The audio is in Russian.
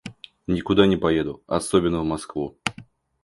Никуда не поеду, особенно в Москву.